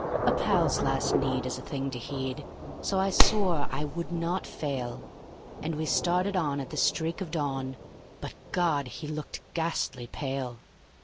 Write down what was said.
A pal's last need is a thing to heed, so I swore I would not fail; And we started on at the streak of dawn; but God! he looked ghastly pale.